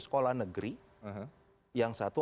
sekolah negeri yang satu